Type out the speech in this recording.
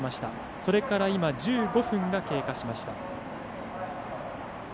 それから今１５分が経過しました。